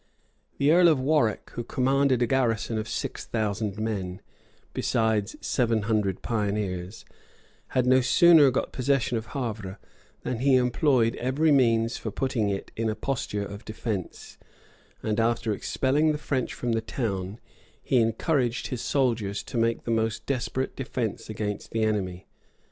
The earl of Warwick, who commanded a garrison of six thousand men, besides seven hundred pioneers, had no sooner got possession of Havre, than he employed every means for putting it in a posture of defence;[] and after expelling the French from the town, he encouraged his soldiers to make the most desperate defence against the enemy.